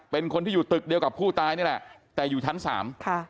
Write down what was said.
เป็นคนที่อยู่ตึกเดียวกับผู้ตายนี่แหละแต่อยู่ชั้นสามค่ะ